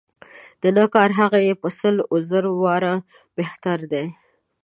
د نه کار هغه یې په سل و زر واره بهتر دی.